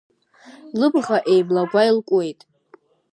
Лыбӷаеимлагәа илкуеит.